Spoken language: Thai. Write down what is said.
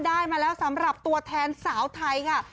ได้มาแล้วสำหรับตัวแทนสาวไทยค่ะ